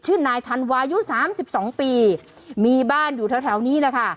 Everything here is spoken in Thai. ชื่อนายทันวายุ๓๒ปีมีบ้านอยู่แถวนี้แหละค่ะ